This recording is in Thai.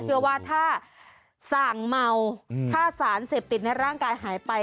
เชื่อว่าถ้าสั่งเมาถ้าสารเสพติดในร่างกายหายไป